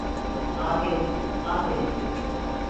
Aferin, aferin.